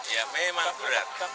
ya memang berat